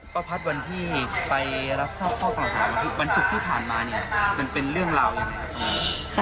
พ่อพัทวันที่ไปรับทราบข้อกล่าวหาวันศุกร์ที่ผ่านมานี่เป็นเรื่องราวอย่างไรครับ